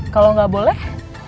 kalau gak boleh